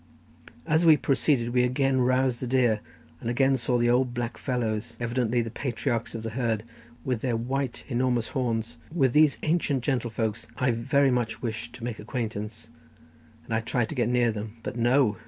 As we proceeded we again roused the deer, and again saw the three old black fellows, evidently the patriarchs of the herds, with their white, enormous horns; with these ancient gentlefolks I very much wished to make acquaintance, and tried to get near them, but no!